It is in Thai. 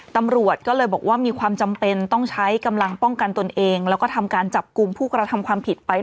ตำรวจก็เลยบอกว่ามีความจำเป็นต้องใช้กำลังป้องกันตนเองแล้วก็ทำการจับกลุ่มผู้กระทำความผิดไป